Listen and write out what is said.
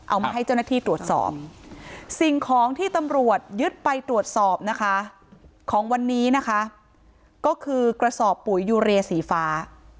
เอามาให้เจ้าหน้าที่ตรวจสอบสิ่งของที่ตำรวจยึดไปตรวจสอบนะคะของวันนี้นะคะก็คือกระสอบปุ๋ยยูเรียสีฟ้า